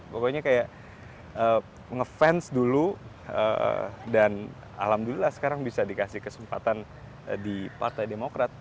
pokoknya kayak ngefans dulu dan alhamdulillah sekarang bisa dikasih kesempatan di partai demokrat